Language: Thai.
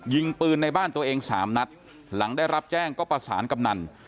ยิงปืนในบ้านตัวเองสามนัดหลังได้รับแจ้งก็ประสานกำนัน